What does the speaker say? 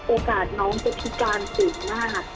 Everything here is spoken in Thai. โอกาสน้องจะพิการสูงมาก